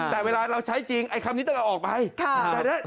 ให้คำนี้ออกไปแต่ดังนั้นจริง